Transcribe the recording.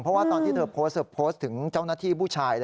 เพราะว่าตอนที่เธอโพสต์ถึงเจ้าหน้าที่ผู้ชาย